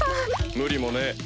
無理もねえ。